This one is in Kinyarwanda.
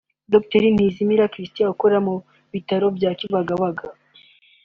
Dr Ntizimira Christian ukora mu bitaro bya Kibagabaga